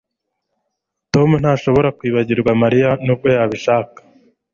Tom ntashobora kwibagirwa Mariya nubwo yabishaka